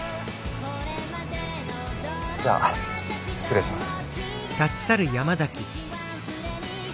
じゃあ失礼します。